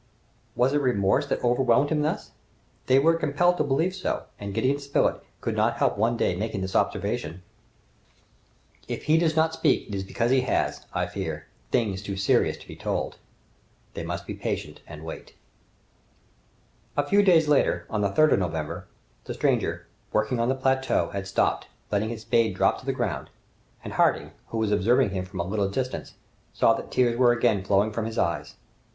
Was it remorse that overwhelmed him thus? They were compelled to believe so, and Gideon Spilett could not help one day making this observation, "If he does not speak it is because he has, I fear, things too serious to be told!" They must be patient and wait. A few days later, on the 3rd of November, the stranger, working on the plateau, had stopped, letting his spade drop to the ground, and Harding, who was observing him from a little distance, saw that tears were again flowing from his eyes.